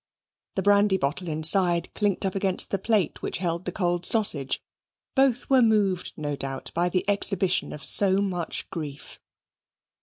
The brandy bottle inside clinked up against the plate which held the cold sausage. Both were moved, no doubt, by the exhibition of so much grief.